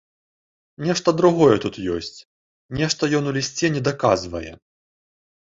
Нешта другое тут ёсць, нешта ён у лісце недаказвае.